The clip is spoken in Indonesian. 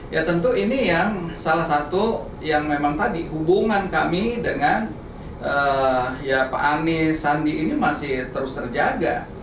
ya tentu ini yang salah satu yang memang tadi hubungan kami dengan ya pak anies sandi ini masih terus terjaga